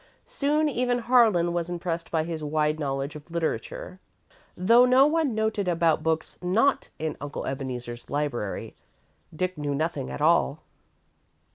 Soon, even Harlan was impressed by his wide knowledge of literature, though no one noted that about books not in Uncle Ebeneezer's library, Dick knew nothing at all.